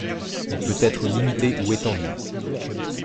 Il peut être limité ou étendu.